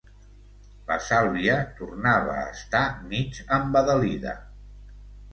La Sàlvia tornava a estar mig embadalida.